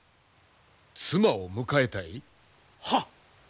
妻を迎えたい？はっ。